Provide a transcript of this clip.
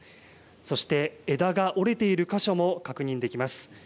そして枝が折れている箇所も確認できます。